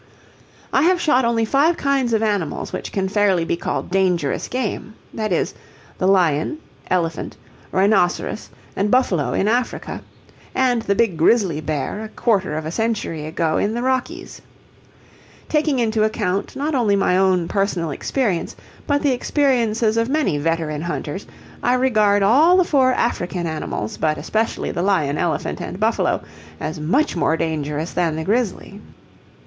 I have shot only five kinds of animals which can fairly be called dangerous game that is, the lion, elephant, rhinoceros, and buffalo in Africa, and the big grizzly bear a quarter of a century ago in the Rockies. Taking into account not only my own personal experience, but the experiences of many veteran hunters, I regard all the four African animals, but especially the lion, elephant, and buffalo, as much more dangerous than the grizzly.